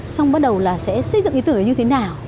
xong bắt đầu là sẽ xây dựng ý tưởng như thế nào